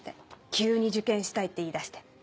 急に受験したいって言いだして。